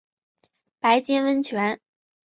白金温泉